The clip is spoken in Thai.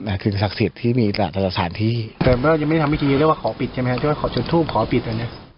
น่ะคือศักดิ์สิทธิ์ที่มีแต่ละส่านที่แต่ว่าเรายังไม่ได้ทำวิธีเรียกเรื่องว่าขอปิดใช่ไหมฮะ